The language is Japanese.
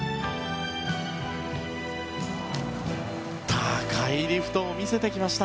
高いリフトを見せてきました。